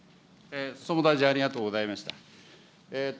総務大臣、ありがとうございました。